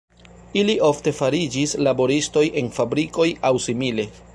Ili ofte fariĝis laboristoj en fabrikoj aŭ simile.